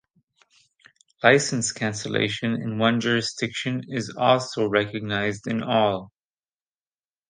Licence cancellation in one jurisdiction is also recognized in all.